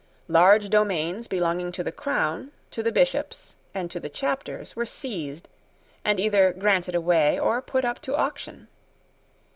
Large domains, belonging to the crown, to the bishops, and to the chapters, were seized, and either granted away or put up to auction.